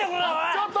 ちょっと！